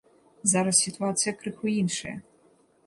Зараз сітуацыя крыху іншая.